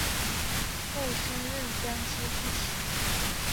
后升任江西副使。